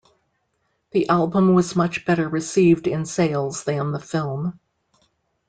The album was much better received in sales than the film.